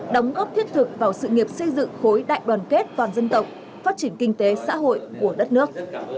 đóng góp thiết thực vào sự nghiệp xây dựng khối đại đoàn kết toàn dân tộc phát triển kinh tế xã hội của đất nước